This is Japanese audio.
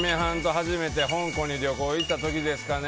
初めて香港に旅行に行った時ですかね。